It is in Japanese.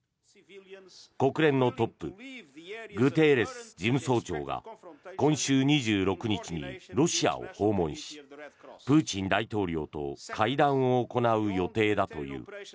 国連のトップグテーレス事務総長が今週２６日にロシアを訪問しプーチン大統領と会談を行う予定だという。